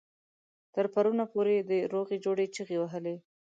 تر پرونه پورې د روغې جوړې چيغې وهلې.